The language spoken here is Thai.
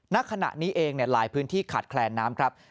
ณขณะนี้เองหลายพื้นที่ขาดแคลนน้ำครับ